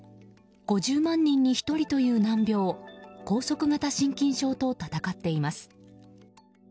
５０万人に１人という難病拘束型心筋症と闘っています。